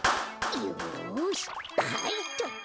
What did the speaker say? よしはいっとそれ。